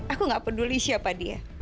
aku gak peduli siapa dia